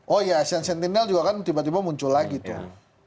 oh ya asean sentinel juga kan tiba tiba muncul lagi tuh